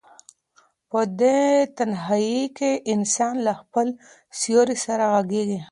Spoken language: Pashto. په دې تنهایۍ کې انسان له خپل سیوري سره غږېږي.